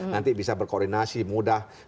nanti bisa berkoordinasi mudah